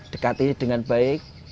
dekat ini dengan baik